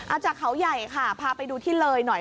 เอาจากเขาใหญ่ค่ะพาไปดูที่เลยหน่อย